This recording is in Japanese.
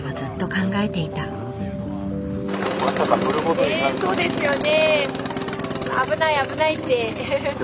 ねえそうですよね。